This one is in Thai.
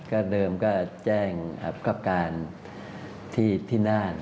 ก็เริ่มแจ้งครับกราบการที่น่าน